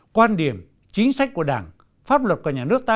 quan điểm chính sách của đảng pháp luật của nhà nước ta